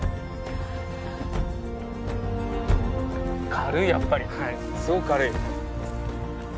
軽いやっぱりすごく軽い。